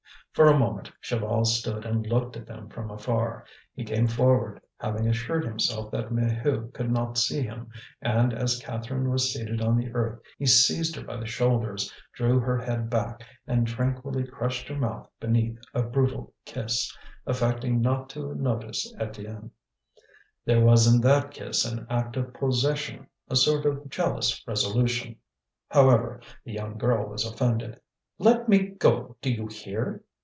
For a moment Chaval stood and looked at them from afar. He came forward, having assured himself that Maheu could not see him; and as Catherine was seated on the earth he seized her by the shoulders, drew her head back, and tranquilly crushed her mouth beneath a brutal kiss, affecting not to notice Étienne. There was in that kiss an act of possession, a sort of jealous resolution. However, the young girl was offended. "Let me go, do you hear?"